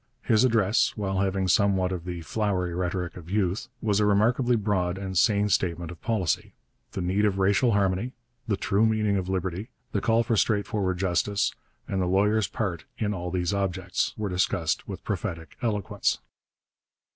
His address, while having somewhat of the flowery rhetoric of youth, was a remarkably broad and sane statement of policy: the need of racial harmony, the true meaning of liberty, the call for straightforward justice, and the lawyer's part in all these objects, were discussed with prophetic eloquence.